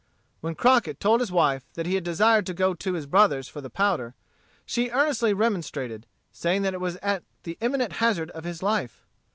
When Crockett told his wife that he had decided to go to his brother's for the powder, she earnestly remonstrated, saying that it was at the imminent hazard of his life.